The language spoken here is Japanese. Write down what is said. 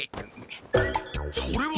それは！